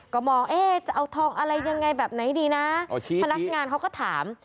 ก็มองเอ๊ะจะเอาทองอะไรยังไงแบบไหนดีนะพนักงานเขาก็ถาม